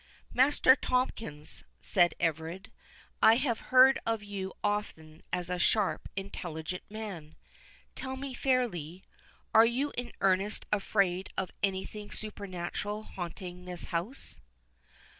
"Master Tomkins," said Everard, "I have heard of you often as a sharp, intelligent man—tell me fairly, are you in earnest afraid of any thing supernatural haunting this house?"